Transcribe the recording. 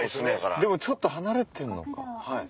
でもちょっと離れてんのか。